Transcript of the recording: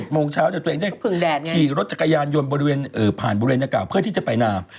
๗โมงเช้าเดี๋ยวตัวเองได้ขี่รถจักรยานยนต์บริเวณผ่านบริเวณนาคาเพื่อที่จะไปน้ำ